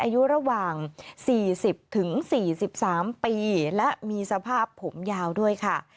อายุระหว่าง๔๐๔๓ปีและมีสภาพผมยาวด้วยค่ะ